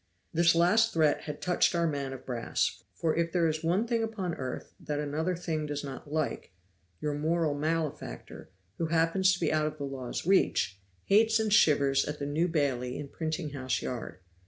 This last threat had touched our man of brass; for if there is one thing upon earth that another thing does not like, your moral malefactor, who happens to be out of the law's reach, hates and shivers at the New Bailey in Printing house Yard.